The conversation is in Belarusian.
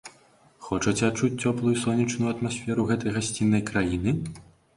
Хочаце адчуць цёплую і сонечную атмасферу гэтай гасціннай краіны?